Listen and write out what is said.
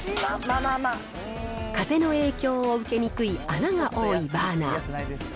風の影響を受けにくい穴が多いバーナー。